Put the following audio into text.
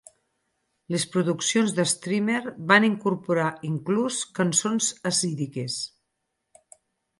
Les produccions de Stramer van incorporar inclús cançons hasídiques.